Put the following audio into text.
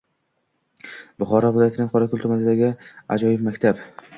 Buxoro vilojatining Qoraqo'l tumanida aƶojiʙ maktabi